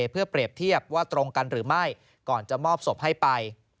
เพื่อเปรียบเทียบว่าตรงกันหรือไม่ก่อนจะมอบศพให้ไป